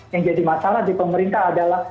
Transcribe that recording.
yang jadi masalah di pemerintah adalah